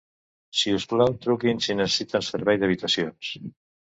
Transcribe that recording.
Si us plau truquin si necessiten servei d'habitacions.